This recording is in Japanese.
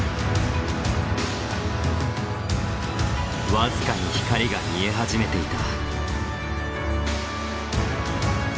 僅かに光が見え始めていた。